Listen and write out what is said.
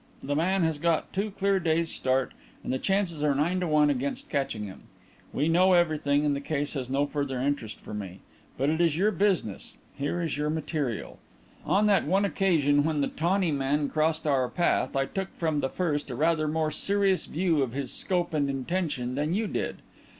The man has got two clear days' start and the chances are nine to one against catching him. We know everything, and the case has no further interest for me. But it is your business. Here is your material. "On that one occasion when the 'tawny' man crossed our path, I took from the first a rather more serious view of his scope and intention than you did.